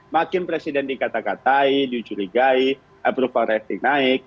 makin presiden dikata katai dicurigai approval rating naik